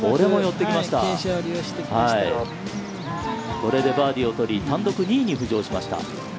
これでバーディーを取り、単独２位に浮上しました。